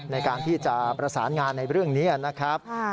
ในการที่จะประสานงานในเรื่องนี้นะครับ